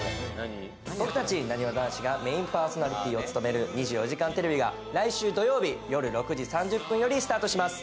僕たち、なにわ男子がメインパーソナリティーを務める『２４時間テレビ』が来週土曜日、夜６時３０分よりスタートします。